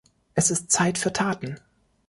Es ist Zeit für Taten.